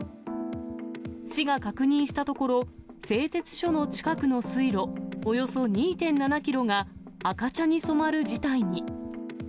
市が確認したところ、製鉄所の近くの水路、およそ２．７キロが赤茶に染まる事態に。